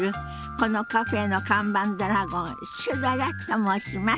このカフェの看板ドラゴンシュドラと申します。